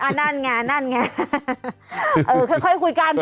อ้าวนั่นไงนั่นไง